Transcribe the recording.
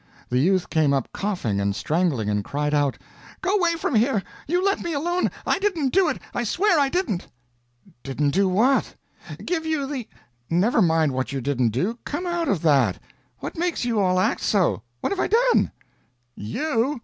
The youth came up coughing and strangling, and cried out "Go 'way from here! You let me alone. I didn't do it, I swear I didn't!" "Didn't do what?" "Give you the " "Never mind what you didn't do come out of that! What makes you all act so? What have I done?" "You?